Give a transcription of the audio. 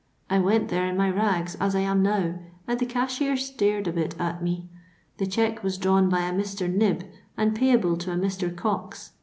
I went there in my rags, as I am now, and the cashier stared a bit at me. The cheque was drawn by a Mr. Knibb, and payable to a Mr. Cox.